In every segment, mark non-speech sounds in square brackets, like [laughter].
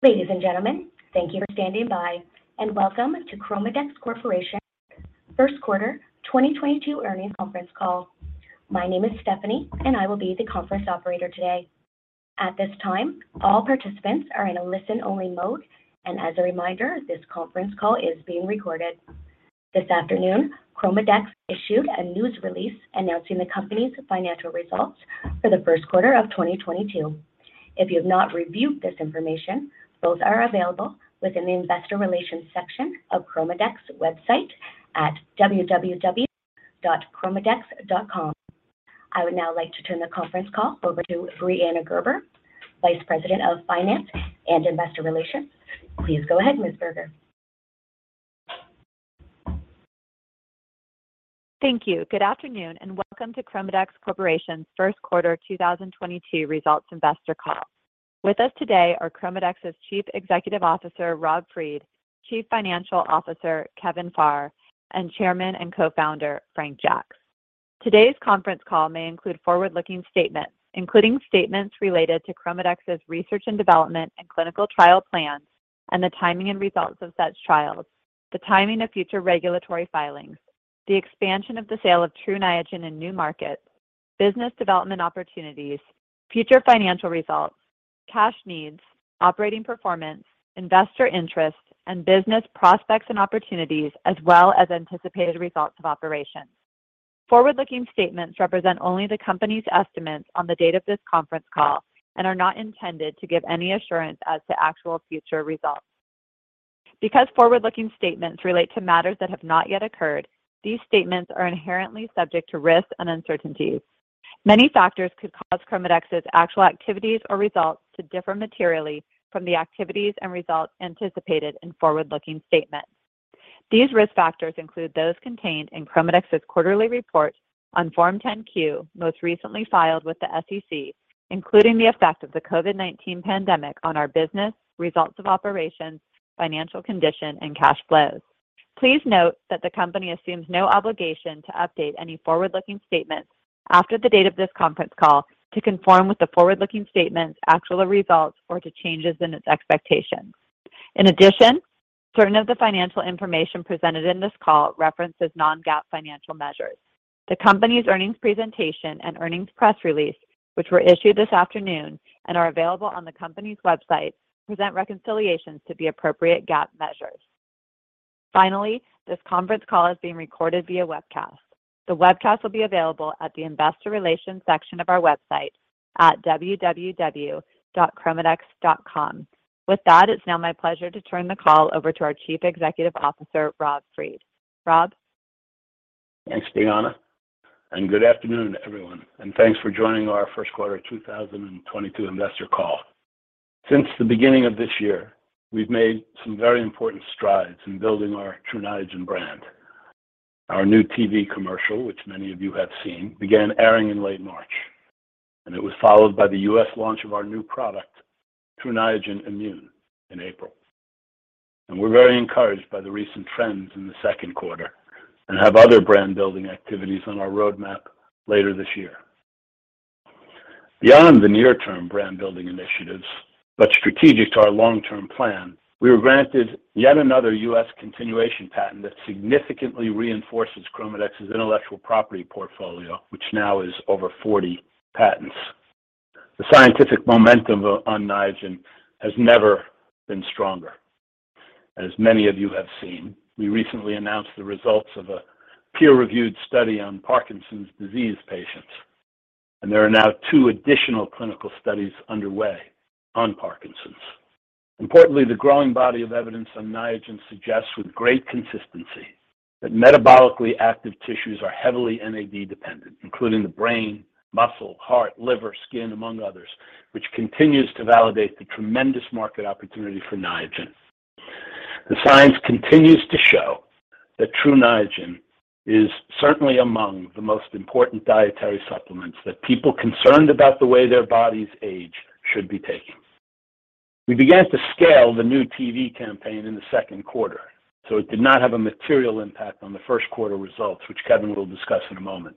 Ladies and gentlemen, thank you for standing by, and welcome to ChromaDex Corporation Q1 2022 Earnings Conference Call. My name is Stephanie, and I will be the conference operator today. At this time, all participants are in a listen-only mode. As a reminder, this conference call is being recorded. This afternoon, ChromaDex issued a news release announcing the company's financial results for the Q1 of 2022. If you have not reviewed this information, both are available within the investor relations section of ChromaDex website at www.chromadex.com. I would now like to turn the conference call over to Brianna Gerber, Vice President of Finance and Investor Relations. Please go ahead, Ms. Gerber. Thank you. Good afternoon, and welcome to ChromaDex Corporation's Q1 2022 results investor call. With us today are ChromaDex's Chief Executive Officer, Rob Fried, Chief Financial Officer, Kevin Farr, and Chairman and Co-founder, Frank Jaksch. Today's conference call may include forward-looking statements, including statements related to ChromaDex's research and development and clinical trial plans, and the timing and results of such trials, the timing of future regulatory filings, the expansion of the sale of Tru Niagen in new markets, business development opportunities, future financial results, cash needs, operating performance, investor interests, and business prospects and opportunities, as well as anticipated results of operations. Forward-looking statements represent only the company's estimates on the date of this conference call and are not intended to give any assurance as to actual future results. Because forward-looking statements relate to matters that have not yet occurred, these statements are inherently subject to risks and uncertainties. Many factors could cause ChromaDex's actual activities or results to differ materially from the activities and results anticipated in forward-looking statements. These risk factors include those contained in ChromaDex's quarterly report on Form 10-Q, most recently filed with the SEC, including the effect of the COVID-19 pandemic on our business, results of operations, financial condition, and cash flows. Please note that the company assumes no obligation to update any forward-looking statements after the date of this conference call to conform with the forward-looking statements, actual results, or to changes in its expectations. In addition, certain of the financial information presented in this call references non-GAAP financial measures. The company's earnings presentation and earnings press release, which were issued this afternoon and are available on the company's website, present reconciliations to the appropriate GAAP measures. Finally, this conference call is being recorded via webcast. The webcast will be available at the investor relations section of our website at www.chromadex.com. With that, it's now my pleasure to turn the call over to our Chief Executive Officer, Rob Fried. Rob. Thanks, Brianna. Good afternoon, everyone, and thanks for joining our Q1 2022 investor call. Since the beginning of this year, we've made some very important strides in building our Tru Niagen brand. Our new TV commercial, which many of you have seen, began airing in late March, and it was followed by the U.S. launch of our new product, Tru Niagen Immune, in April. We're very encouraged by the recent trends in the Q2 and have other brand-building activities on our roadmap later this year. Beyond the near-term brand-building initiatives, but strategic to our long-term plan, we were granted yet another U.S. continuation patent that significantly reinforces ChromaDex's intellectual property portfolio, which now is over 40 patents. The scientific momentum on Niagen has never been stronger. As many of you have seen, we recently announced the results of a peer-reviewed study on Parkinson's disease patients, and there are now two additional clinical studies underway on Parkinson's. Importantly, the growing body of evidence on Niagen suggests with great consistency that metabolically active tissues are heavily NAD-dependent, including the brain, muscle, heart, liver, skin, among others, which continues to validate the tremendous market opportunity for Niagen. The science continues to show that Tru Niagen is certainly among the most important dietary supplements that people concerned about the way their bodies age should be taking. We began to scale the new TV campaign in the Q2, so it did not have a material impact on the Q1 results, which Kevin will discuss in a moment.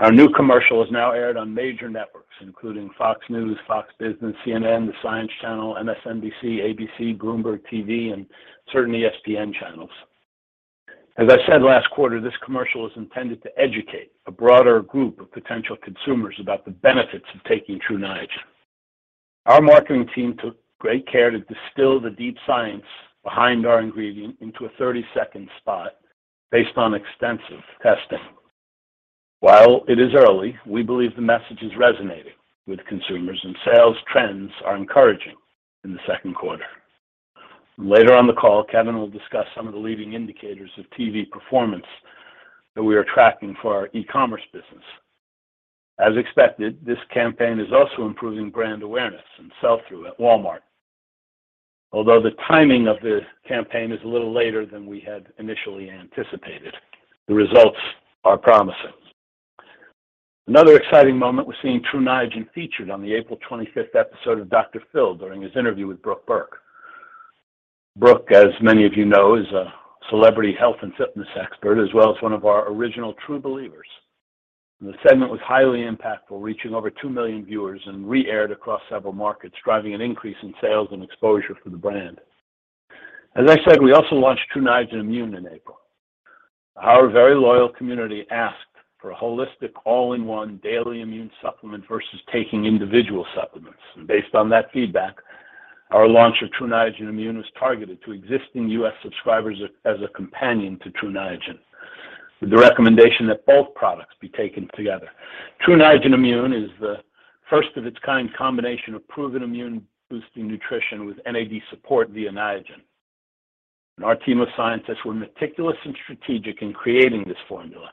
Our new commercial is now aired on major networks, including Fox News, Fox Business, CNN, Science Channel, MSNBC, ABC, Bloomberg TV, and certain ESPN channels. As I said last quarter, this commercial is intended to educate a broader group of potential consumers about the benefits of taking Tru Niagen. Our marketing team took great care to distill the deep science behind our ingredient into a 30 second spot based on extensive testing. While it is early, we believe the message is resonating with consumers, and sales trends are encouraging in the Q2. Later on the call, Kevin will discuss some of the leading indicators of TV performance that we are tracking for our e-commerce business. As expected, this campaign is also improving brand awareness and sell-through at Walmart. Although the timing of the campaign is a little later than we had initially anticipated, the results are promising. Another exciting moment was seeing Tru Niagen featured on the April 25th episode of Dr. Phil during his interview with Brooke Burke. Brooke, as many of you know, is a celebrity health and fitness expert, as well as one of our original true believers. The segment was highly impactful, reaching over 2,000,000 viewers and re-aired across several markets, driving an increase in sales and exposure for the brand. As I said, we also launched Tru Niagen Immune in April. Our very loyal community asked for a holistic all-in-one daily immune supplement versus taking individual supplements. Based on that feedback, our launch of Tru Niagen Immune was targeted to existing U.S. subscribers as a companion to Tru Niagen, with the recommendation that both products be taken together. Tru Niagen Immune is the first of its kind combination of proven immune-boosting nutrition with NAD support via Niagen. Our team of scientists were meticulous and strategic in creating this formula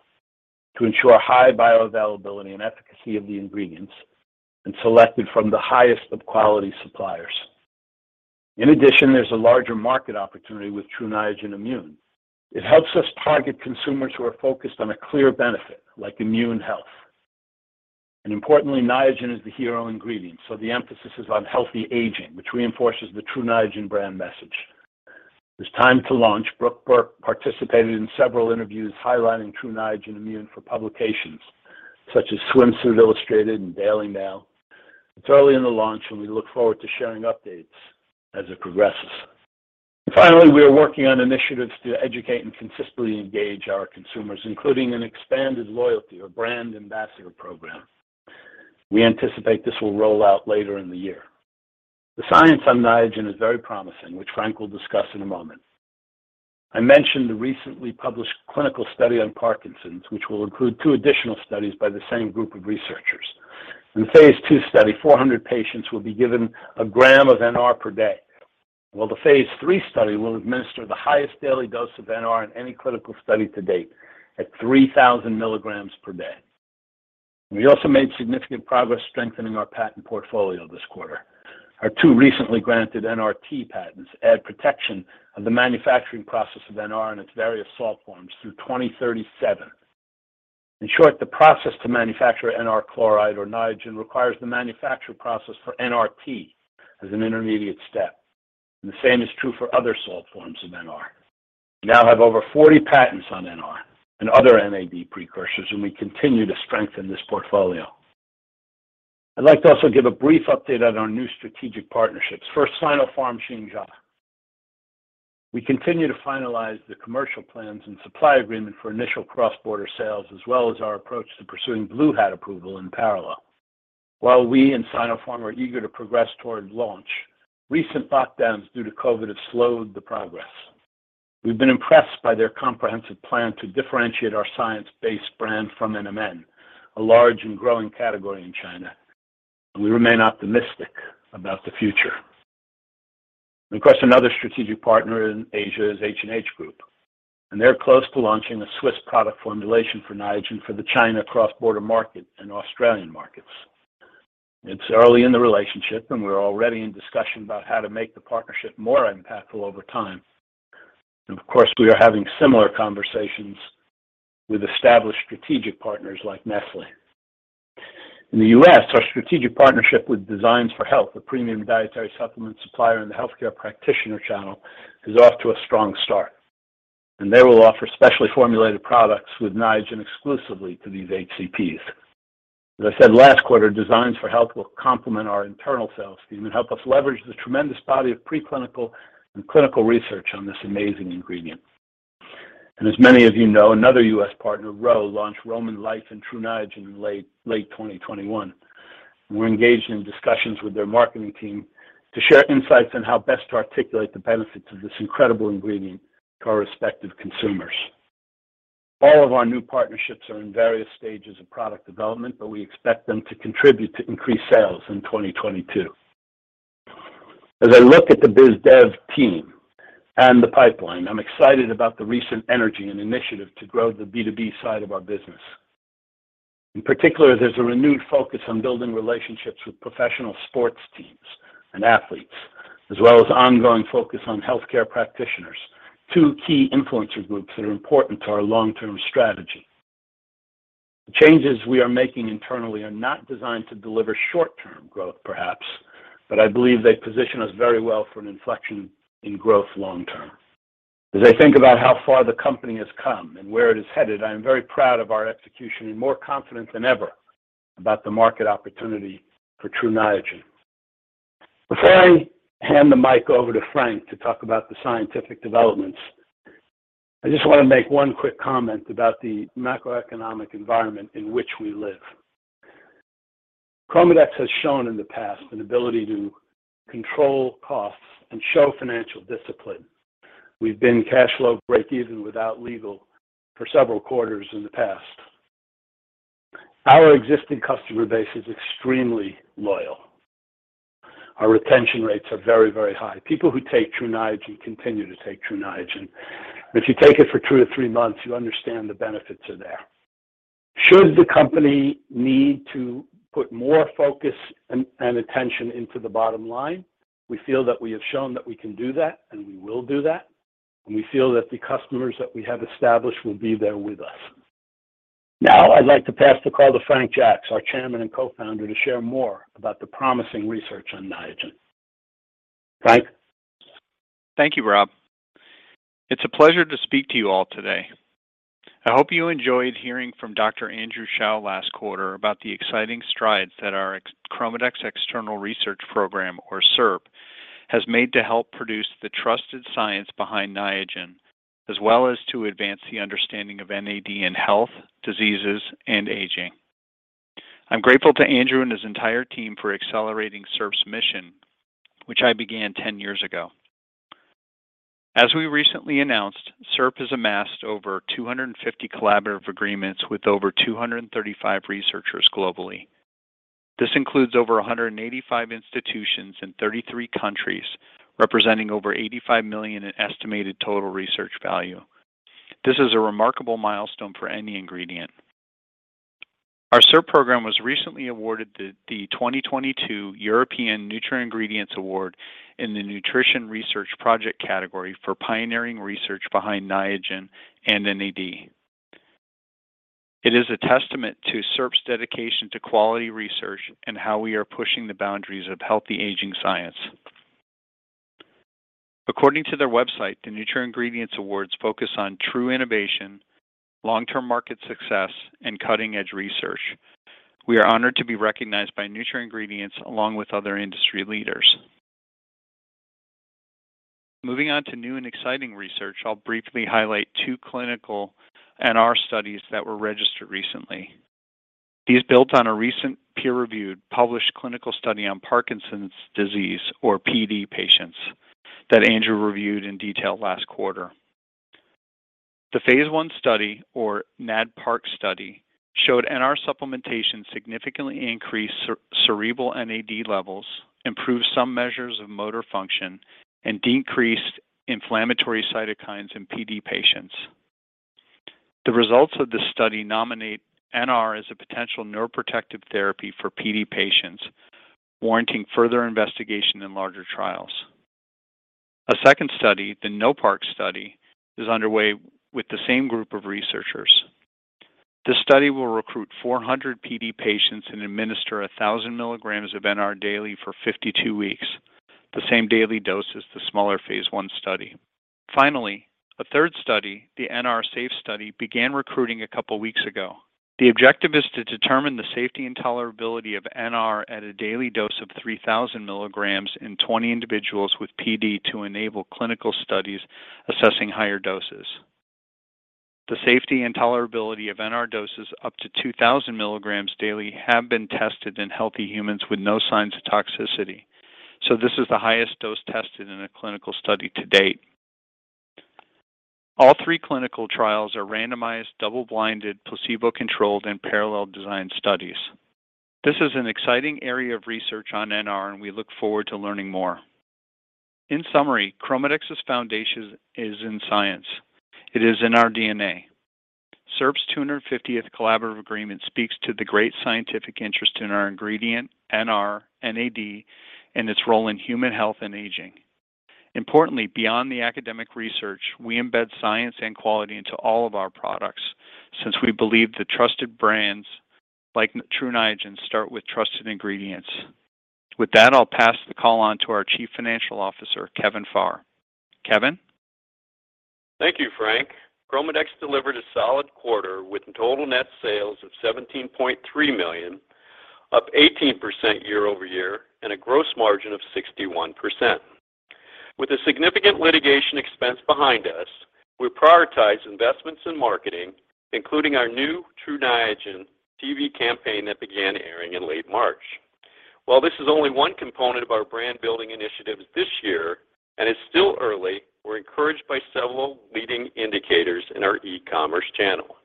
to ensure high bioavailability and efficacy of the ingredients and selected from the highest of quality suppliers. In addition, there's a larger market opportunity with Tru Niagen Immune. It helps us target consumers who are focused on a clear benefit like immune health. Importantly, Niagen is the hero ingredient, so the emphasis is on healthy aging, which reinforces the Tru Niagen brand message. At the time of launch, Brooke Burke participated in several interviews highlighting Tru Niagen Immune for publications such as Sports Illustrated Swimsuit and Daily Mail. It's early in the launch, and we look forward to sharing updates as it progresses. Finally, we are working on initiatives to educate and consistently engage our consumers, including an expanded loyalty or brand ambassador program. We anticipate this will roll out later in the year. The science on Niagen is very promising, which Frank will discuss in a moment. I mentioned the recently published clinical study on Parkinson's, which will include two additional studies by the same group of researchers. In the phase II study, 400 patients will be given a gram of NR per day. While the phase III study will administer the highest daily dose of NR in any clinical study to date at 3,000 milligrams per day. We also made significant progress strengthening our patent portfolio this quarter. Our two recently granted NRT patents add protection of the manufacturing process of NR and its various salt forms through 2037. In short, the process to manufacture NR chloride or Niagen requires the manufacturing process for NRT as an intermediate step. The same is true for other salt forms of NR. We now have over 40 patents on NR and other NAD precursors, and we continue to strengthen this portfolio. I'd like to also give a brief update on our new strategic partnerships. First, Sinopharm Xingsha. We continue to finalize the commercial plans and supply agreement for initial cross-border sales, as well as our approach to pursuing Blue Hat approval in parallel. While we and Sinopharm are eager to progress toward launch, recent lockdowns due to COVID have slowed the progress. We've been impressed by their comprehensive plan to differentiate our science-based brand from NMN, a large and growing category in China, and we remain optimistic about the future. Of course, another strategic partner in Asia is H&H Group, and they're close to launching a Swiss product formulation for Niagen for the China cross-border market and Australian markets. It's early in the relationship, and we're already in discussion about how to make the partnership more impactful over time. Of course, we are having similar conversations with established strategic partners like Nestlé. In the U.S., our strategic partnership with Designs for Health, a premium dietary supplement supplier in the healthcare practitioner channel, is off to a strong start, and they will offer specially formulated products with Niagen exclusively to these HCPs. As I said last quarter, Designs for Health will complement our internal sales team and help us leverage the tremendous body of pre-clinical and clinical research on this amazing ingredient. As many of you know, another U.S. partner, Ro, launched Roman Life and Tru Niagen in late 2021. We're engaged in discussions with their marketing team to share insights on how best to articulate the benefits of this incredible ingredient to our respective consumers. All of our new partnerships are in various stages of product development, but we expect them to contribute to increased sales in 2022. As I look at the biz dev team and the pipeline, I'm excited about the recent energy and initiative to grow the B2B side of our business. In particular, there's a renewed focus on building relationships with professional sports teams and athletes, as well as ongoing focus on healthcare practitioners, two key influencer groups that are important to our long-term strategy. The changes we are making internally are not designed to deliver short-term growth, perhaps, but I believe they position us very well for an inflection in growth long term. As I think about how far the company has come and where it is headed, I am very proud of our execution and more confident than ever about the market opportunity for Tru Niagen. Before I hand the mic over to Frank to talk about the scientific developments, I just want to make one quick comment about the macroeconomic environment in which we live. ChromaDex has shown in the past an ability to control costs and show financial discipline. We've been cash flow breakeven without legal for several quarters in the past. Our existing customer base is extremely loyal. Our retention rates are very, very high. People who take Tru Niagen continue to take Tru Niagen. If you take it for two to three months, you understand the benefits are there. Should the company need to put more focus and attention into the bottom line, we feel that we have shown that we can do that, and we will do that. We feel that the customers that we have established will be there with us. Now I'd like to pass the call to Frank Jaksch, our Chairman and Co-founder, to share more about the promising research on Niagen. Frank? Thank you, Rob. It's a pleasure to speak to you all today. I hope you enjoyed hearing from Dr. Andrew Shao last quarter about the exciting strides that our ChromaDex External Research Program, or SERP, has made to help produce the trusted science behind Niagen, as well as to advance the understanding of NAD in health, diseases, and aging. I'm grateful to Andrew and his entire team for accelerating SERP's mission, which I began 10 years ago. As we recently announced, SERP has amassed over 250 collaborative agreements with over 235 researchers globally. This includes over 185 institutions in 33 countries, representing over $85 million in estimated total research value. This is a remarkable milestone for any ingredient. Our SERP program was recently awarded the 2022 European NutraIngredients Award in the Nutrition Research Project category for pioneering research behind Niagen and NAD. It is a testament to SERP's dedication to quality research and how we are pushing the boundaries of healthy aging science. According to their website, the NutraIngredients Awards focus on true innovation, long-term market success, and cutting-edge research. We are honored to be recognized by NutraIngredients along with other industry leaders. Moving on to new and exciting research, I'll briefly highlight two clinical NR studies that were registered recently. These built on a recent peer-reviewed published clinical study on Parkinson's disease or PD patients that Andrew reviewed in detail last quarter. The phase one study or NAD Parkinson study showed NR supplementation significantly increased cerebral NAD levels, improved some measures of motor function, and decreased inflammatory cytokines in PD patients. The results of this study nominate NR as a potential neuroprotective therapy for PD patients, warranting further investigation in larger trials. A second study, the NOPARK study, is underway with the same group of researchers. This study will recruit 400 PD patients and administer 1000 milligrams of NR daily for 52 weeks, the same daily dose as the smaller phase I study. Finally, a third study, the NR-SAFE study, began recruiting a couple weeks ago. The objective is to determine the safety and tolerability of NR at a daily dose of 3000 milligrams in 20 individuals with PD to enable clinical studies assessing higher doses. The safety and tolerability of NR doses up to 2000 milligrams daily have been tested in healthy humans with no signs of toxicity, so this is the highest dose tested in a clinical study to date. All three clinical trials are randomized, double-blinded, placebo-controlled, and parallel design studies. This is an exciting area of research on NR, and we look forward to learning more. In summary, ChromaDex's foundation is in science. It is in our DNA. SERP's 250th collaborative agreement speaks to the great scientific interest in our ingredient, NR, NAD, and its role in human health and aging. Importantly, beyond the academic research, we embed science and quality into all of our products since we believe the trusted brands like Tru Niagen start with trusted ingredients. With that, I'll pass the call on to our chief financial officer, Kevin Farr. Kevin? Thank you. Frank. ChromaDex delivered a solid quarter with total net sales of $17.3 million, up 18% year-over-year, and a gross margin of 61%. With a significant litigation expense behind us, we prioritize investments in marketing, including our new Tru Niagen TV campaign that began airing in late March. While this is only one component of our brand-building initiatives this year, and it's still early, we're encouraged by several leading indicators in our e-commerce channel.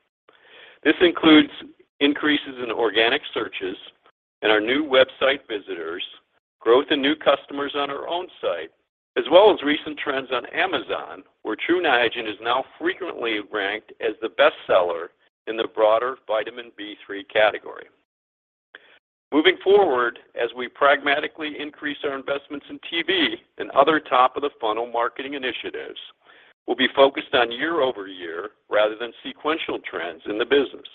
This includes increases in organic searches and our new website visitors, growth in new customers on our own site, as well as recent trends on Amazon, where Tru Niagen is now frequently ranked as the best seller in the broader vitamin B3 category. Moving forward, as we pragmatically increase our investments in TV and other top-of-the-funnel marketing initiatives, we'll be focused on year-over-year rather than sequential trends in the business.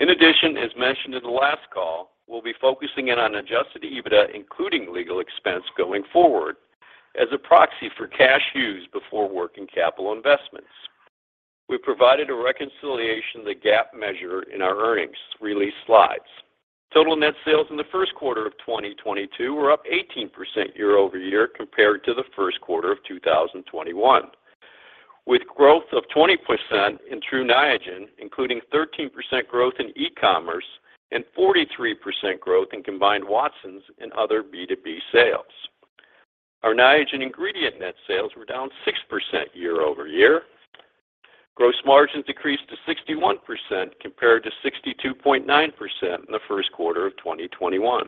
In addition, as mentioned in the last call, we'll be focusing in on adjusted EBITDA, including legal expense going forward, as a proxy for cash used before working capital investments. We provided a reconciliation of the GAAP measure in our earnings release slides. Total net sales in the Q1 of 2022 were up 18% year-over-year compared to the Q1 of 2021, with growth of 20% in Tru Niagen, including 13% growth in e-commerce and 43% growth in combined Watsons and other B2B sales. Our Niagen ingredient net sales were down 6% year-over-year. Gross margins decreased to 61%, compared to 62.9% in the Q1 of 2021.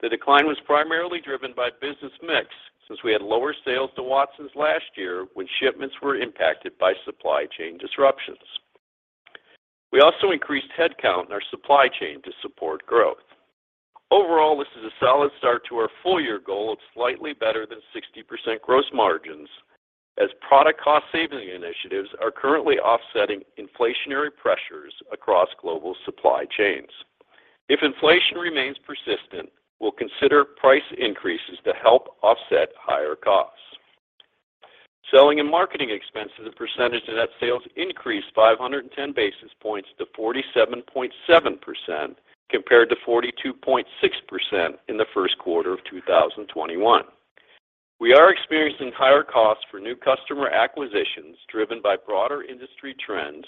The decline was primarily driven by business mix since we had lower sales to Watsons last year when shipments were impacted by supply chain disruptions. We also increased headcount in our supply chain to support growth. Overall, this is a solid start to our full year goal of slightly better than 60% gross margins as product cost-saving initiatives are currently offsetting inflationary pressures across global supply chains. If inflation remains persistent, we'll consider price increases to help offset higher costs. Selling and marketing expenses as a percentage of net sales increased 510 basis points to 47.7% compared to 42.6% in the Q1 of 2021. We are experiencing higher costs for new customer acquisitions driven by broader industry trends,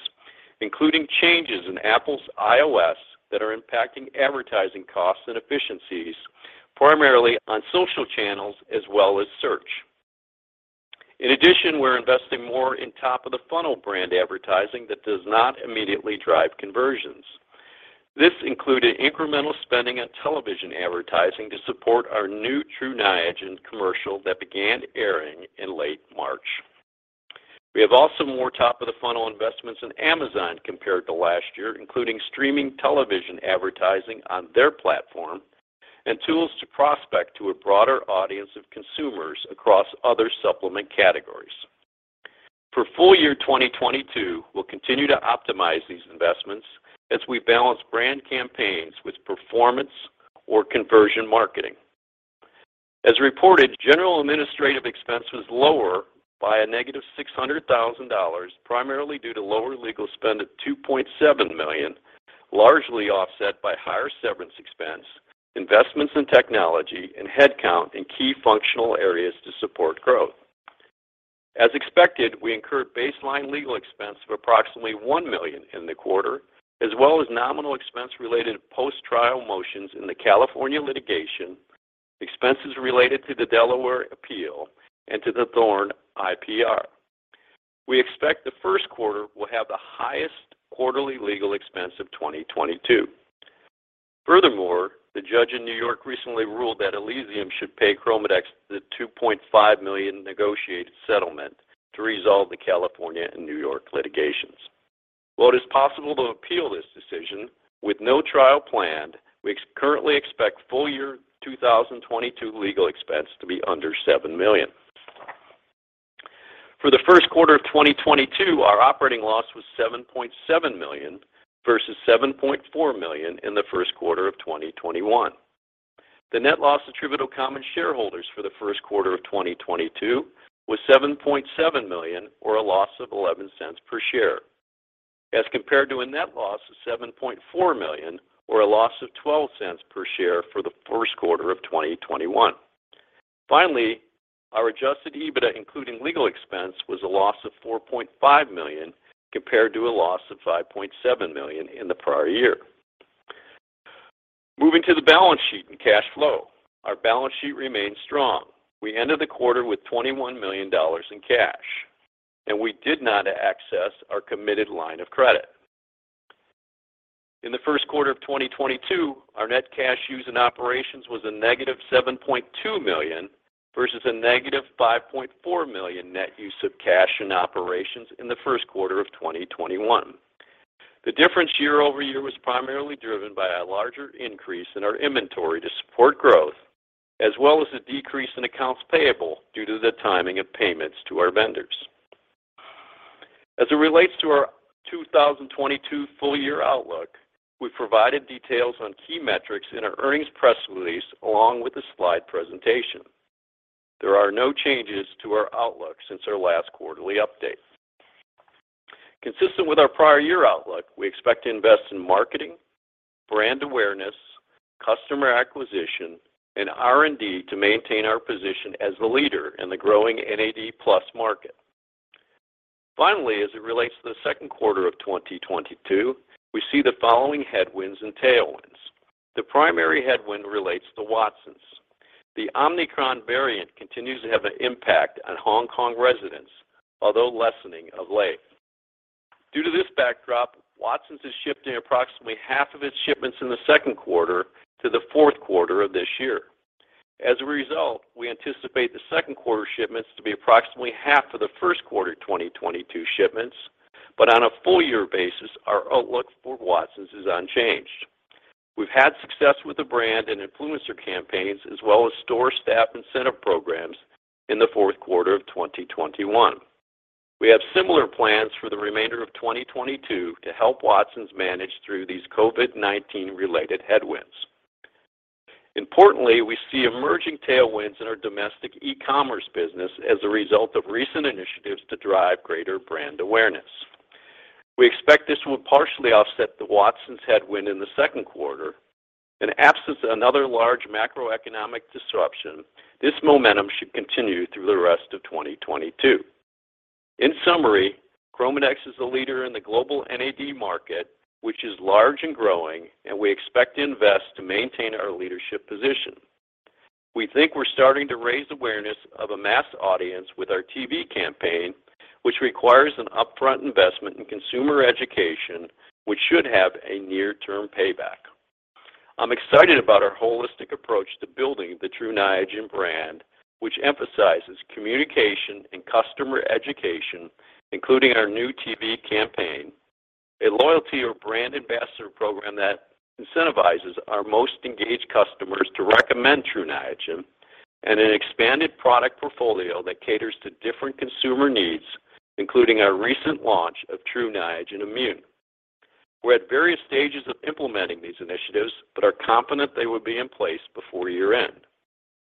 including changes in Apple's iOS that are impacting advertising costs and efficiencies primarily on social channels as well as search. In addition, we're investing more in top-of-the-funnel brand advertising that does not immediately drive conversions. This included incremental spending on television advertising to support our new Tru Niagen commercial that began airing in late March. We have also more top-of-the-funnel investments in Amazon compared to last year, including streaming television advertising on their platform and tools to prospect to a broader audience of consumers across other supplement categories. For full year 2022, we'll continue to optimize these investments as we balance brand campaigns with performance or conversion marketing. As reported, general administrative expense was lower by -$600,000, primarily due to lower legal spend at $2.7 million, largely offset by higher severance expense, investments in technology, and headcount in key functional areas to support growth. As expected, we incurred baseline legal expense of approximately $1 million in the quarter, as well as nominal expense related to post-trial motions in the California litigation, expenses related to the Delaware appeal, and to the Thorne IPR. We expect the Q1 will have the highest quarterly legal expense of 2022. Furthermore, the judge in New York recently ruled that Elysium should pay ChromaDex the $2.5 million negotiated settlement to resolve the California and New York litigations. While it is possible to appeal this decision, with no trial planned, we currently expect full year 2022 legal expense to be under $7 million. For the Q1 of 2022, our operating loss was $7.7 million versus $7.4 million in the Q1 of 2021. The net loss attributable to common shareholders for the Q1 of 2022 was $7.7 million or a loss of $0.11 per share as compared to a net loss of $7.4 million or a loss of $0.12 per share for the Q1 of 2021. Finally, our adjusted EBITDA, including legal expense, was a loss of $4.5 million compared to a loss of $5.7 million in the prior year. Moving to the balance sheet and cash flow. Our balance sheet remains strong. We ended the quarter with $21 million in cash, and we did not access our committed line of credit. In the Q1 of 2022, our net cash used in operations was a negative $7.2 million versus a negative $5.4 million net use of cash in operations in the Q1 of 2021. The difference year-over-year was primarily driven by a larger increase in our inventory to support growth as well as a decrease in accounts payable due to the timing of payments to our vendors. As it relates to our 2022 full-year outlook, we've provided details on key metrics in our earnings press release along with the slide presentation. There are no changes to our outlook since our last quarterly update. Consistent with our prior year outlook, we expect to invest in marketing, brand awareness, customer acquisition, and R&D to maintain our position as the leader in the growing NAD+ market. Finally, as it relates to the second quarter of 2022, we see the following headwinds and tailwinds. The primary headwind relates to Watsons. The Omicron variant continues to have an impact on Hong Kong residents, although lessening of late. Due to this backdrop, Watsons is shifting approximately half of its shipments in the Q2 to the Q4 of this year. As a result, we anticipate the second quarter shipments to be approximately half of the Q1 2022 shipments. On a full year basis, our outlook for Watsons is unchanged. We've had success with the brand and influencer campaigns as well as store staff incentive programs in the Q4 of 2021. We have similar plans for the remainder of 2022 to help Watsons manage through these COVID-19 related headwinds. Importantly, we see emerging tailwinds in our domestic e-commerce business as a result of recent initiatives to drive greater brand awareness. We expect this will partially offset the Watsons headwind in the Q2. In absence of another large macroeconomic disruption, this momentum should continue through the rest of 2022. In summary, ChromaDex is a leader in the global NAD market, which is large and growing, and we expect to invest to maintain our leadership position. We think we're starting to raise awareness of a mass audience with our TV campaign, which requires an upfront investment in consumer education, which should have a near-term payback. I'm excited about our holistic approach to building the Tru Niagen brand, which emphasizes communication and customer education, including our new TV campaign. A loyalty or brand ambassador program that incentivizes our most engaged customers to recommend Tru Niagen, and an expanded product portfolio that caters to different consumer needs, including our recent launch of Tru Niagen Immune. We're at various stages of implementing these initiatives, but are confident they will be in place before year-end.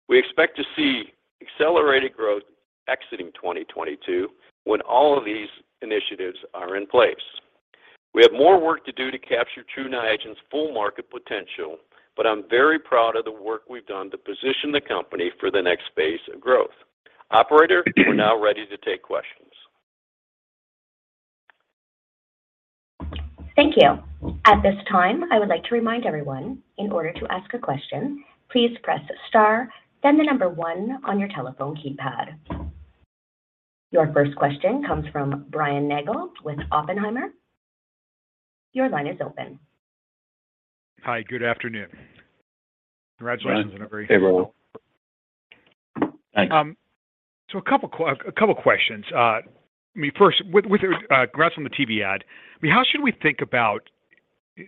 We expect to see accelerated growth exiting 2022 when all of these initiatives are in place. We have more work to do to capture Tru Niagen's full market potential, but I'm very proud of the work we've done to position the company for the next phase of growth. Operator, we're now ready to take questions. Thank you. At this time, I would like to remind everyone in order to ask a question, please press star, then the number one on your telephone keypad. Your first question comes from Brian Nagel with Oppenheimer. Your line is open. Hi, good afternoon. Congratulations on a very. Hey, Brian. Thanks. A couple questions. I mean, first, with the congrats on the TV ad. I mean, how should we think about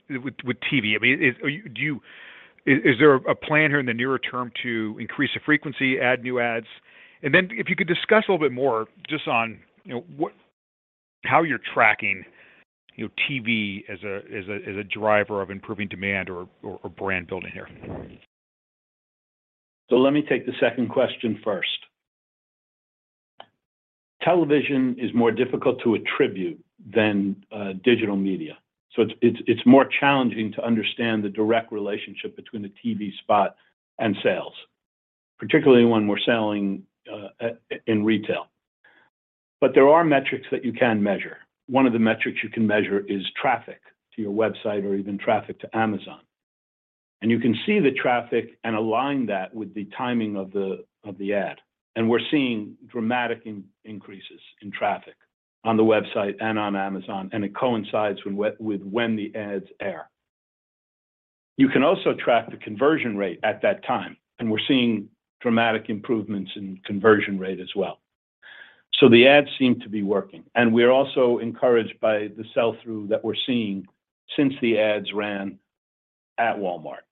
with TV? I mean, is there a plan here in the nearer term to increase the frequency, add new ads? Then if you could discuss a little bit more just on, you know, how you're tracking, you know, TV as a driver of improving demand or brand building here. Let me take the second question first. Television is more difficult to attribute than digital media. It's more challenging to understand the direct relationship between the TV spot and sales, particularly when we're selling in retail. There are metrics that you can measure. One of the metrics you can measure is traffic to your website or even traffic to Amazon. You can see the traffic and align that with the timing of the ad. We're seeing dramatic increases in traffic on the website and on Amazon, and it coincides with when the ads air. You can also track the conversion rate at that time, and we're seeing dramatic improvements in conversion rate as well. The ads seem to be working, and we're also encouraged by the sell-through that we're seeing since the ads ran at Walmart.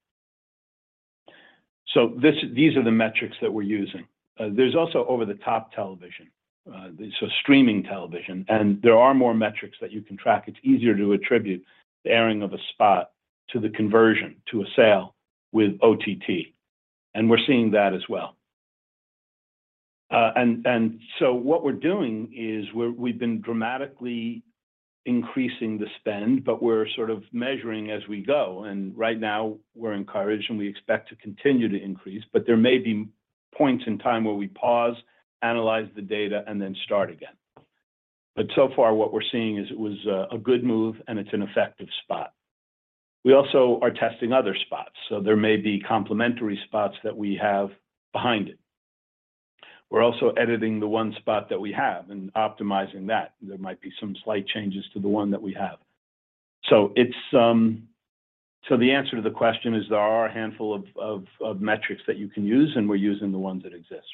These are the metrics that we're using. There's also over-the-top television, so streaming television, and there are more metrics that you can track. It's easier to attribute the airing of a spot to the conversion to a sale with OTT, and we're seeing that as well. What we're doing is we've been dramatically increasing the spend, but we're sort of measuring as we go. Right now we're encouraged, and we expect to continue to increase, but there may be points in time where we pause, analyze the data, and then start again. So far what we're seeing is it was a good move and it's an effective spot. We also are testing other spots, so there may be complementary spots that we have behind it. We're also editing the one spot that we have and optimizing that. There might be some slight changes to the one that we have. It's the answer to the question is there are a handful of metrics that you can use, and we're using the ones that exist.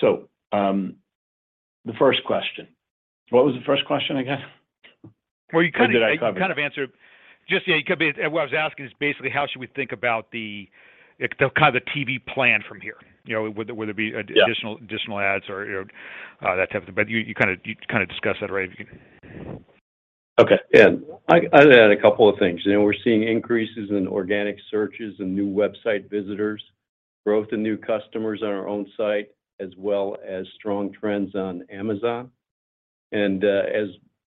The first question. What was the first question again? Well, you kind of. Did I cover it? You kind of answered. What I was asking is basically how should we think about the kind of the TV plan from here. You know, whether it be ad- Yeah Additional ads or, you know, that type of thing. But you kinda discussed that already. Okay. Yeah. I'd add a couple of things. You know, we're seeing increases in organic searches and new website visitors, growth in new customers on our own site, as well as strong trends on Amazon. As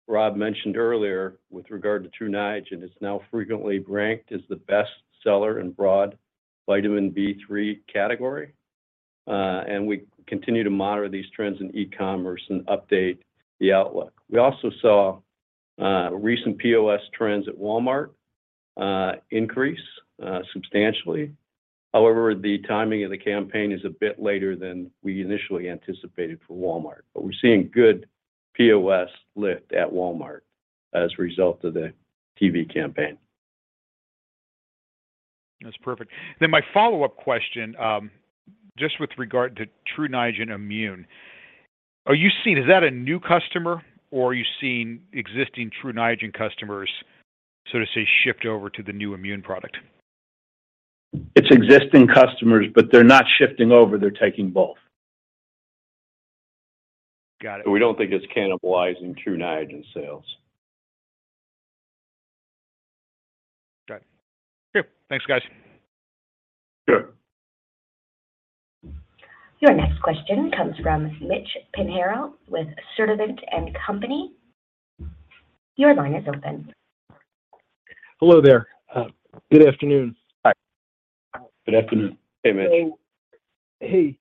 Rob mentioned earlier with regard to Tru Niagen, it's now frequently ranked as the best seller in broad vitamin B3 category. We continue to monitor these trends in e-commerce and update the outlook. We also saw recent POS trends at Walmart increase substantially. However, the timing of the campaign is a bit later than we initially anticipated for Walmart. We're seeing good POS lift at Walmart as a result of the TV campaign. That's perfect. My follow-up question, just with regard to Tru Niagen Immune. Are you seeing that as a new customer or are you seeing existing Tru Niagen customers sort of say shift over to the new Immune product? It's existing customers, but they're not shifting over. They're taking both. Got it. We don't think it's cannibalizing Tru Niagen sales. Got it. Okay. Thanks, guys. Sure. Your next question comes from Mitch Pinheiro with Sturdivant & Company. Your line is open. Hello there. Good afternoon. Hi. Good afternoon. Hey, Mitch. Hey.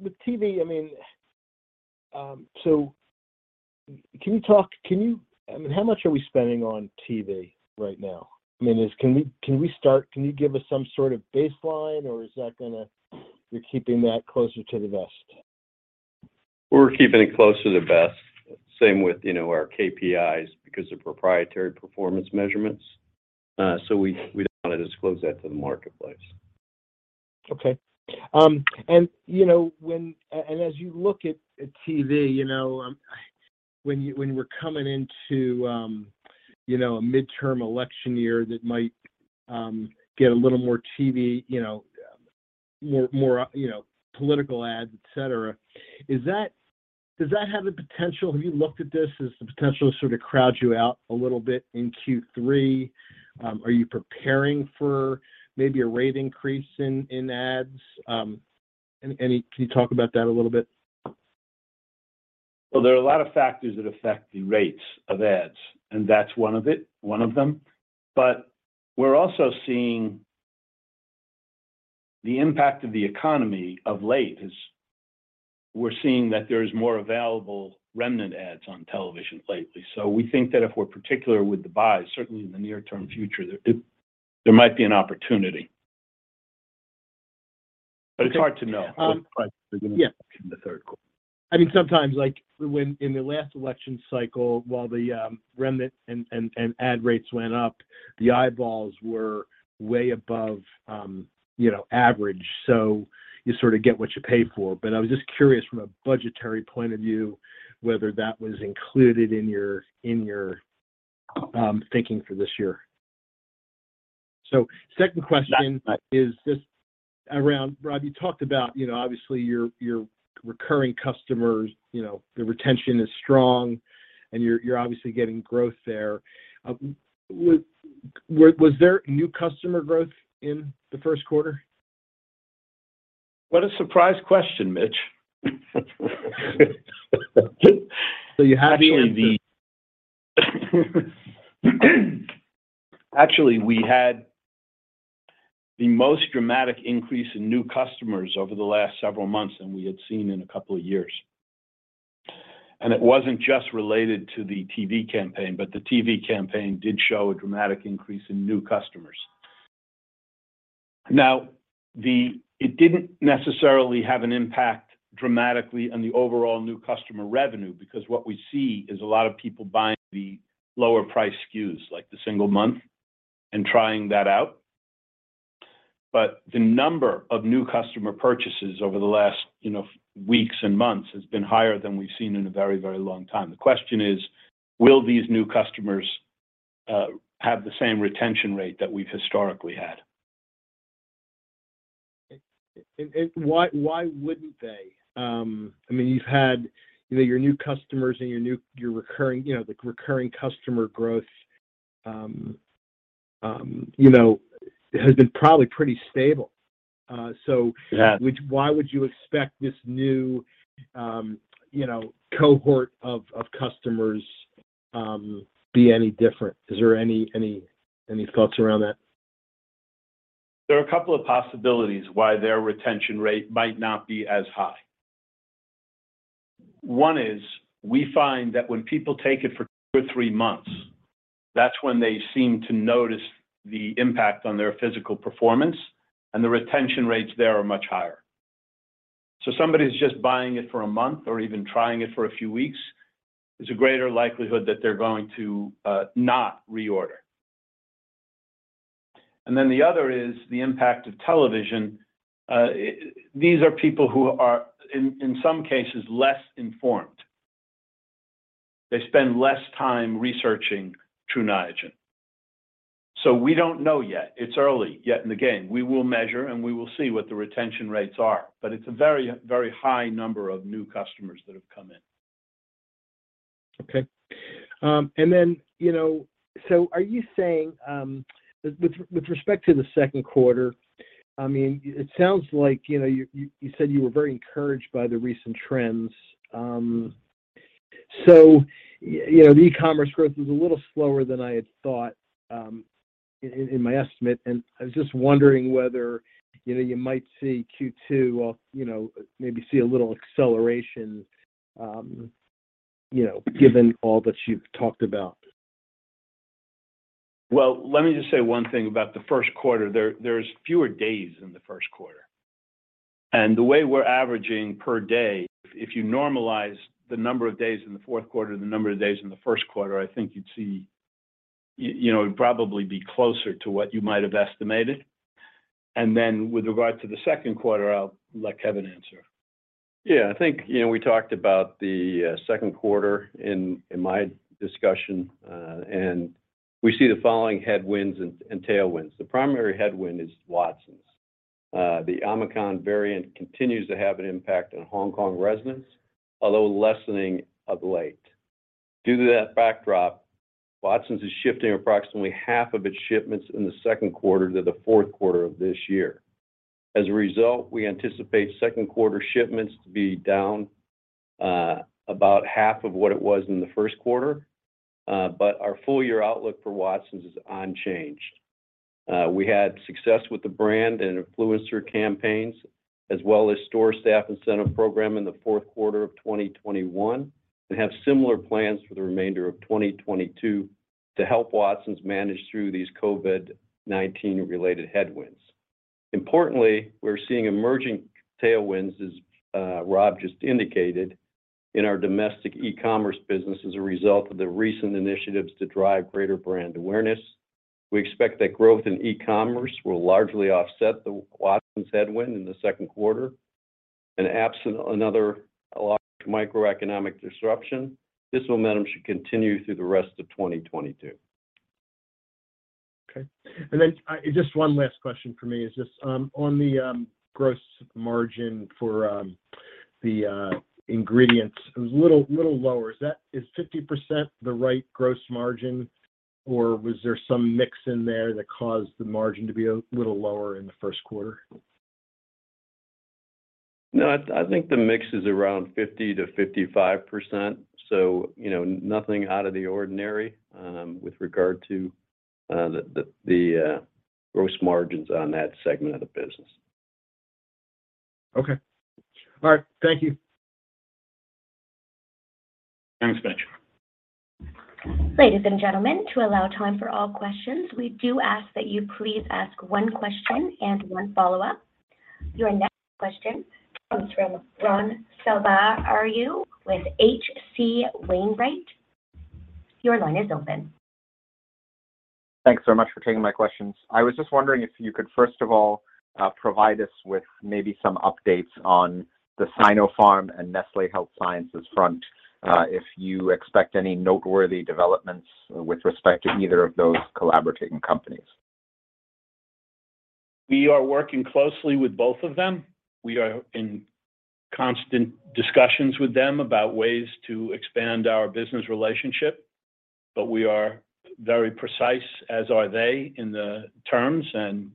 With TV, I mean, how much are we spending on TV right now? I mean, can you give us some sort of baseline, or is that gonna, you're keeping that closer to the vest? We're keeping it close to the vest. Same with, you know, our KPIs because they're proprietary performance measurements. So we don't want to disclose that to the marketplace. Okay. As you look at TV, you know, when we're coming into a midterm election year that might get a little more TV, you know, more political ads, et cetera, is that? Does that have the potential? Have you looked at this as the potential to sort of crowd you out a little bit in Q3? Are you preparing for maybe a rate increase in ads? Can you talk about that a little bit? Well, there are a lot of factors that affect the rates of ads, and that's one of them. We're also seeing the impact of the economy of late, as we're seeing that there's more available remnant ads on television lately. We think that if we're particular with the buys, certainly in the near term future, there might be an opportunity. It's hard to know. Yeah. In the Q3. I mean, sometimes, like when in the last election cycle, while the remnant and ad rates went up, the eyeballs were way above you know average, so you sort of get what you pay for. But I was just curious from a budgetary point of view, whether that was included in your thinking for this year. Second question- That, that. [crosstalk] It's just around, Rob. You talked about, you know, obviously your recurring customers, you know, the retention is strong and you're obviously getting growth there. Was there new customer growth in the Q1? What a surprise question, Mitch. You had [crosstalk] some- I mean, actually, we had the most dramatic increase in new customers over the last several months than we had seen in a couple of years. It wasn't just related to the TV campaign, but the TV campaign did show a dramatic increase in new customers. Now, it didn't necessarily have an impact dramatically on the overall new customer revenue because what we see is a lot of people buying the lower priced SKUs like the single month and trying that out. The number of new customer purchases over the last, you know, weeks and months has been higher than we've seen in a very, very long time. The question is, will these new customers have the same retention rate that we've historically had? Why wouldn't they? I mean, you've had, you know, your new customers and your recurring, you know, the recurring customer growth, you know, has been probably pretty stable. Yeah Which, why would you expect this new, you know, cohort of customers be any different? Is there any thoughts around that? There are a couple of possibilities why their retention rate might not be as high. One is we find that when people take it for two or three months, that's when they seem to notice the impact on their physical performance, and the retention rates there are much higher. Somebody who's just buying it for a month or even trying it for a few weeks, there's a greater likelihood that they're going to not reorder. The other is the impact of television. These are people who are in some cases less informed. They spend less time researching Tru Niagen. We don't know yet. It's early yet in the game. We will measure, and we will see what the retention rates are. It's a very, very high number of new customers that have come in. Okay. You know, so are you saying, with respect to the Q2, I mean, it sounds like, you know, you said you were very encouraged by the recent trends. You know, the e-commerce growth was a little slower than I had thought, in my estimate, and I was just wondering whether, you know, you might see Q2, you know, maybe see a little acceleration, you know, given all that you've talked about. Well, let me just say one thing about the Q1. There's fewer days in the Q1. The way we're averaging per day, if you normalize the number of days in the Q4, the number of days in the Q1, I think you'd see you know, it'd probably be closer to what you might have estimated. Then with regard to the Q2, I'll let Kevin answer. Yeah. I think, you know, we talked about the Q2 in my discussion, and we see the following headwinds and tailwinds. The primary headwind is Watsons. The Omicron variant continues to have an impact on Hong Kong residents, although lessening of late. Due to that backdrop, Watsons is shifting approximately half of its shipments in the Q2 to the Q4 of this year. As a result, we anticipate Q2 shipments to be down about half of what it was in the Q1. Our full year outlook for Watsons is unchanged. We had success with the brand and influencer campaigns, as well as store staff incentive program in the Q4 of 2021, and have similar plans for the remainder of 2022 to help Watsons manage through these COVID-19 related headwinds. Importantly, we're seeing emerging tailwinds, as Rob just indicated. In our domestic e-commerce business as a result of the recent initiatives to drive greater brand awareness. We expect that growth in e-commerce will largely offset the Watsons headwind in the Q2. Absent another large microeconomic disruption, this momentum should continue through the rest of 2022. Just one last question for me is just on the gross margin for the ingredients. It was little lower. Is 50% the right gross margin, or was there some mix in there that caused the margin to be a little lower in the Q1? No, I think the mix is around 50%-55%, so you know, nothing out of the ordinary, with regard to the gross margins on that segment of the business. Okay. All right. Thank you. Thanks, Mitch. Ladies and gentlemen, to allow time for all questions, we do ask that you please ask one question and one follow-up. Your next question comes from Ram Selvaraju with H.C. Wainwright. Your line is open. Thanks very much for taking my questions. I was just wondering if you could first of all, provide us with maybe some updates on the Sinopharm and Nestlé Health Science front, if you expect any noteworthy developments with respect to either of those collaborating companies? We are working closely with both of them. We are in constant discussions with them about ways to expand our business relationship. We are very precise, as are they, in the terms, and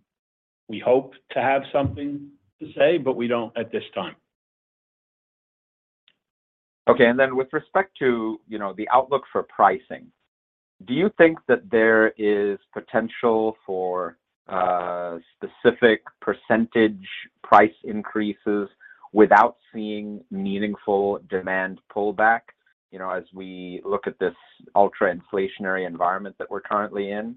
we hope to have something to say, but we don't at this time. Okay. With respect to, you know, the outlook for pricing, do you think that there is potential for specific percentage price increases without seeing meaningful demand pullback, you know, as we look at this ultra-inflationary environment that we're currently in?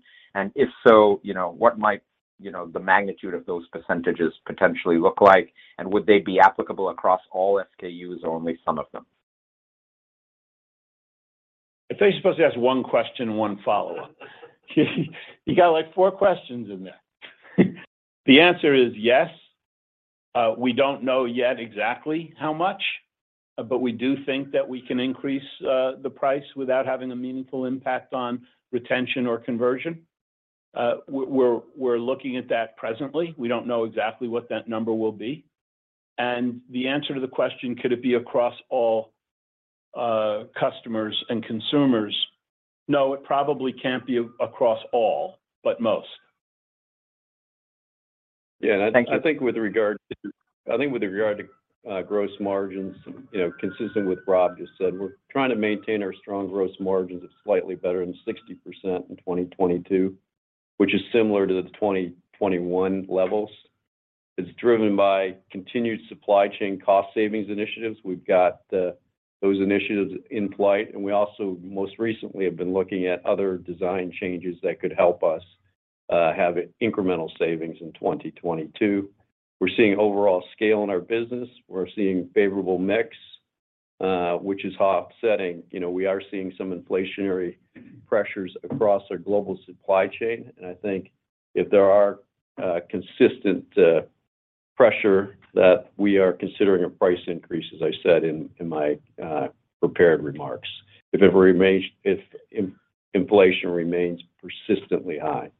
If so, you know, what might, you know, the magnitude of those percentages potentially look like, and would they be applicable across all SKUs or only some of them? I thought you're supposed to ask one question and one follow-up. You got, like, four questions in there. The answer is yes. We don't know yet exactly how much, but we do think that we can increase the price without having a meaningful impact on retention or conversion. We're looking at that presently. We don't know exactly what that number will be. The answer to the question, could it be across all customers and consumers? No, it probably can't be across all, but most. Thank you. Yeah. I think with regard to gross margins, you know, consistent with what Rob just said, we're trying to maintain our strong gross margins of slightly better than 60% in 2022, which is similar to the 2021 levels. It's driven by continued supply chain cost savings initiatives. We've got those initiatives in flight, and we also most recently have been looking at other design changes that could help us have incremental savings in 2022. We're seeing overall scale in our business. We're seeing favorable mix, which is offsetting. You know, we are seeing some inflationary pressures across our global supply chain, and I think if there are consistent pressure that we are considering a price increase, as I said in my prepared remarks, if inflation remains persistently high.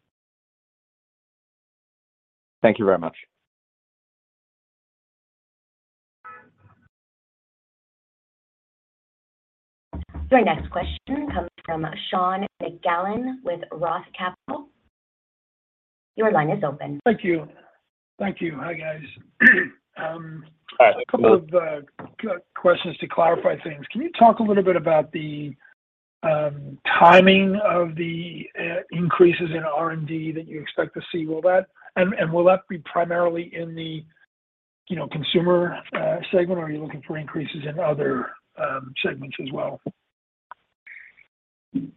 Thank you very much. Your next question comes from Sean McGowan with Roth Capital. Your line is open. Thank you. Thank you. Hi, guys. Hi, Sean. A couple of questions to clarify things. Can you talk a little bit about the timing of the increases in R&D that you expect to see? Will that be primarily in the, you know, consumer segment, or are you looking for increases in other segments as well? You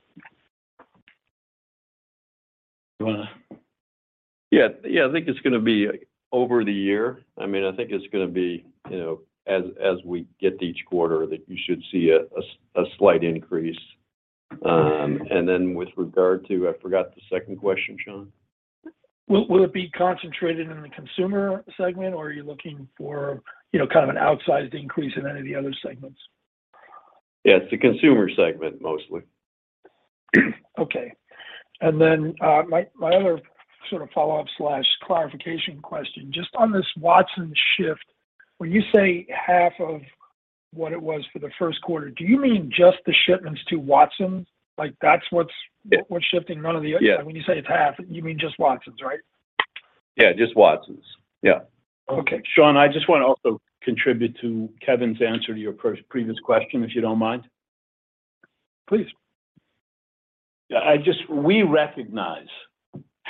wanna Yeah. Yeah, I think it's gonna be over the year. I mean, I think it's gonna be, you know, as we get to each quarter, that you should see a slight increase. With regard to, I forgot the second question, Sean. Will it be concentrated in the consumer segment, or are you looking for, you know, kind of an outsized increase in any of the other segments? Yeah, it's the consumer segment mostly. Okay. My other sort of follow-up/clarification question, just on this Watsons shift, when you say half of what it was for the Q1, do you mean just the shipments to Watsons? Like, that's what's shifting, none of the other. Yeah. When you say it's half, you mean just Watsons, right? Yeah, just Watsons. Yeah. Okay. Sean, I just wanna also contribute to Kevin's answer to your pre-previous question, if you don't mind. Please. Yeah. We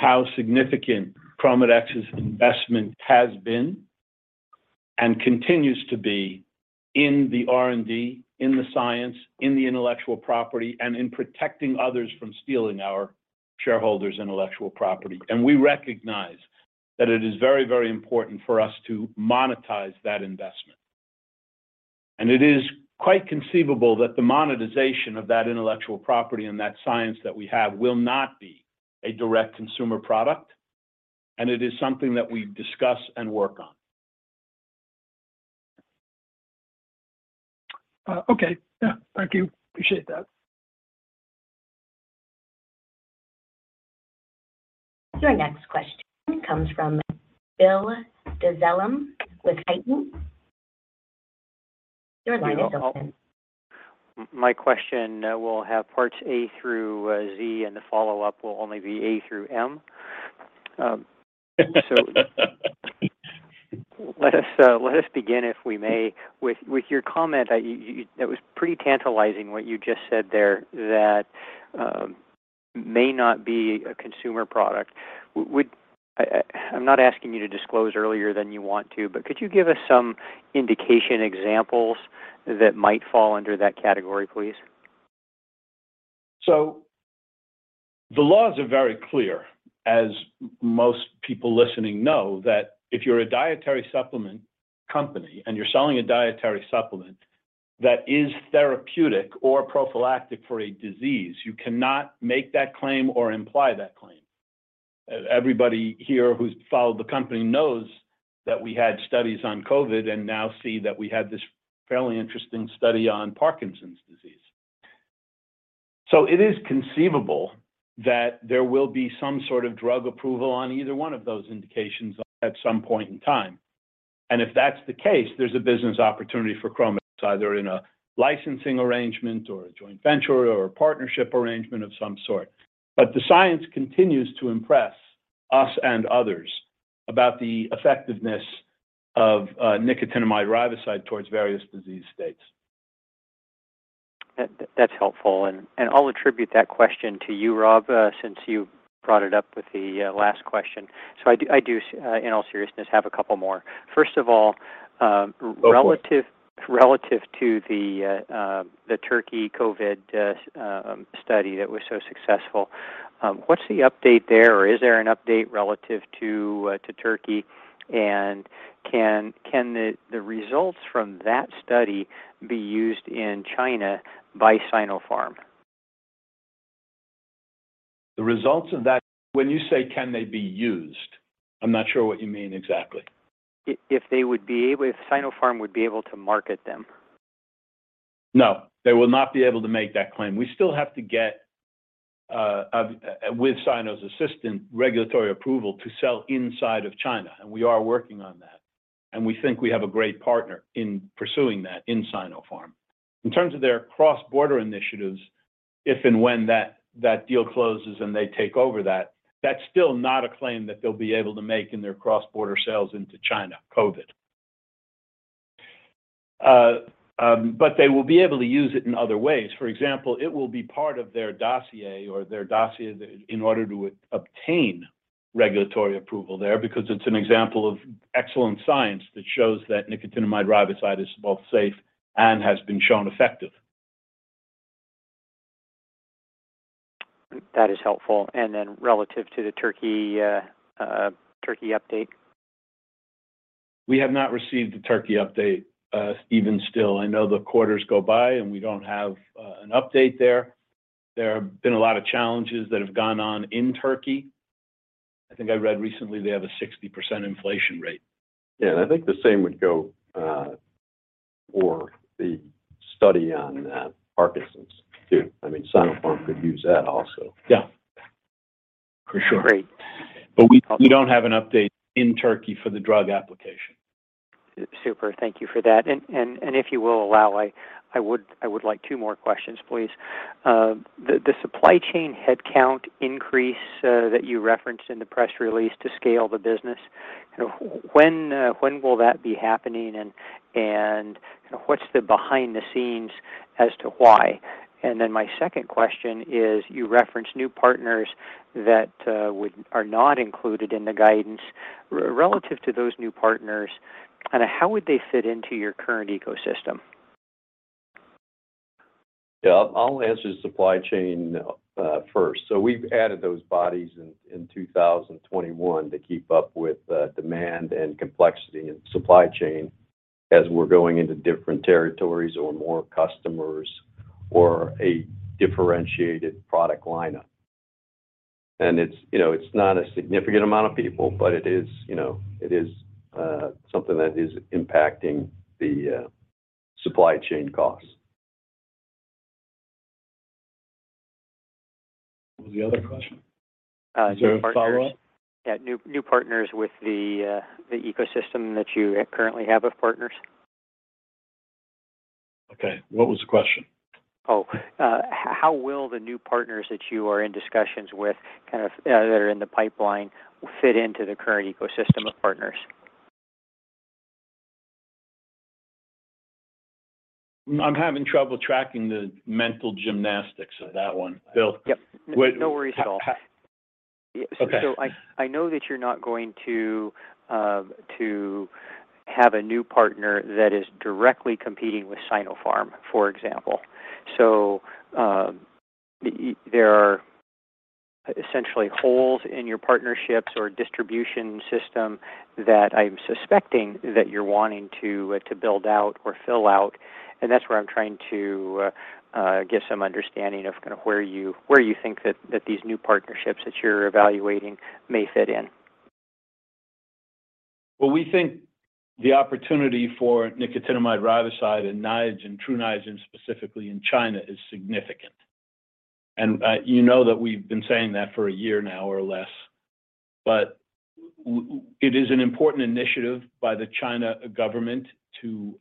recognize how significant ChromaDex's investment has been and continues to be in the R&D, in the science, in the intellectual property, and in protecting others from stealing our intellectual property, shareholders' intellectual property. We recognize that it is very, very important for us to monetize that investment. It is quite conceivable that the monetization of that intellectual property and that science that we have will not be a direct consumer product, and it is something that we discuss and work on. Okay. Yeah. Thank you. Appreciate that. Your next question comes from Bill Dezellem with Tieton. Your line is open. My question will have parts A through Z, and the follow-up will only be A through M. Let us begin, if we may, with your comment. That was pretty tantalizing what you just said there that may not be a consumer product. I'm not asking you to disclose earlier than you want to, but could you give us some indication, examples that might fall under that category, please? The laws are very clear, as most people listening know, that if you're a dietary supplement company and you're selling a dietary supplement that is therapeutic or prophylactic for a disease, you cannot make that claim or imply that claim. Everybody here who's followed the company knows that we had studies on COVID and now see that we had this fairly interesting study on Parkinson's disease. It is conceivable that there will be some sort of drug approval on either one of those indications at some point in time. If that's the case, there's a business opportunity for ChromaDex, either in a licensing arrangement or a joint venture or a partnership arrangement of some sort. The science continues to impress us and others about the effectiveness of nicotinamide riboside towards various disease states. That's helpful. I'll attribute that question to you, Rob, since you brought it up with the last question. I do, in all seriousness, have a couple more. First of all, Go for it. Relative to the Turkish COVID-19 study that was so successful, what's the update there? Is there an update relative to Turkey? Can the results from that study be used in China by Sinopharm? When you say can they be used, I'm not sure what you mean exactly. If Sinopharm would be able to market them. No, they will not be able to make that claim. We still have to get with Sinopharm's assistance regulatory approval to sell inside of China, and we are working on that. We think we have a great partner in pursuing that in Sinopharm. In terms of their cross-border initiatives, if and when that deal closes and they take over that's still not a claim that they'll be able to make in their cross-border sales into China. But they will be able to use it in other ways. For example, it will be part of their dossier in order to obtain regulatory approval there because it's an example of excellent science that shows that nicotinamide riboside is both safe and has been shown effective. That is helpful. Relative to the Turkey update. We have not received the Turkey update, even still. I know the quarters go by, and we don't have an update there. There have been a lot of challenges that have gone on in Turkey. I think I read recently they have a 60% inflation rate. Yeah, I think the same would go for the study on Parkinson's too. I mean, Sinopharm could use that also. Yeah, for sure. Great. We don't have an update in Turkey for the drug application. Super. Thank you for that. If you will allow, I would like two more questions, please. The supply chain headcount increase that you referenced in the press release to scale the business, you know, when will that be happening? What's behind the scenes as to why? Then my second question is, you referenced new partners that are not included in the guidance. Relative to those new partners, kinda how would they fit into your current ecosystem? Yeah. I'll answer supply chain first. We've added those bodies in 2021 to keep up with demand and complexity in supply chain as we're going into different territories or more customers or a differentiated product lineup. It's, you know, it's not a significant amount of people, but it is, you know, something that is impacting the supply chain costs. What was the other question? New partners. Is there a follow-up? Yeah. New partners with the ecosystem that you currently have of partners. Okay. What was the question? How will the new partners that you are in discussions with, kind of, that are in the pipeline fit into the current ecosystem of partners? I'm having trouble tracking the mental gymnastics of that one, Bill. Yep. No worries at all. I know that you're not going to have a new partner that is directly competing with Sinopharm, for example. There are essentially holes in your partnerships or distribution system that I'm suspecting that you're wanting to build out or fill out, and that's where I'm trying to get some understanding of kind of where you think that these new partnerships that you're evaluating may fit in. Well, we think the opportunity for nicotinamide riboside and Niagen, Tru Niagen specifically in China is significant. You know that we've been saying that for a year now or less. It is an important initiative by the Chinese government to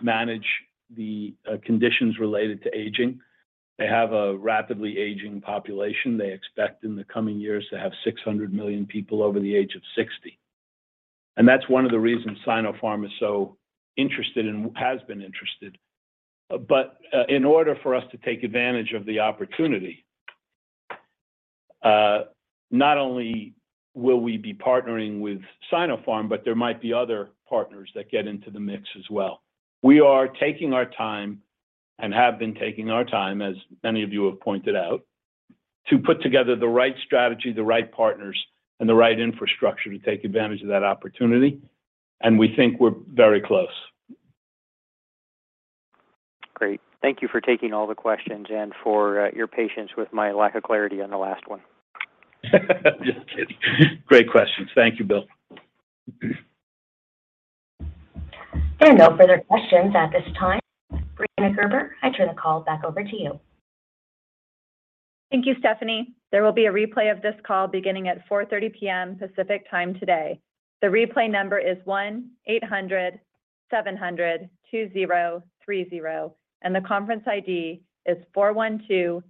manage the conditions related to aging. They have a rapidly aging population. They expect in the coming years to have 600,000,000 people over the age of 60. That's one of the reasons Sinopharm is so interested and has been interested. In order for us to take advantage of the opportunity, not only will we be partnering with Sinopharm, but there might be other partners that get into the mix as well. We are taking our time, and have been taking our time, as many of you have pointed out, to put together the right strategy, the right partners, and the right infrastructure to take advantage of that opportunity, and we think we're very close. Great. Thank you for taking all the questions and for your patience with my lack of clarity on the last one. Just kidding. Great questions. Thank you, Bill. There are no further questions at this time. Brianna Gerber, I turn the call back over to you. Thank you, Stephanie. There will be a replay of this call beginning at 4:30 P.M. Pacific Time today. The replay number is 1-800-702-0300, and the conference ID is 412-6168.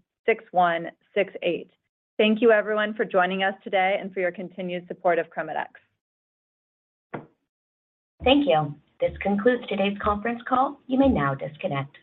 Thank you everyone for joining us today and for your continued support of ChromaDex. Thank you. This concludes today's conference call. You may now disconnect.